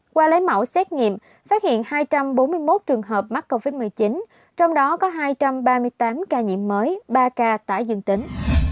qua lấy mẫu xét nghiệm phát hiện hai trăm bốn mươi một trường hợp mắc covid một mươi chín trong đó có hai trăm ba mươi tám ca nhiễm mới ba ca tái dương tính